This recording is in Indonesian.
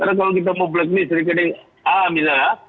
karena kalau kita mau blacklist rekening a misalnya